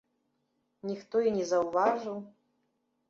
Ніхто і не заўважыў.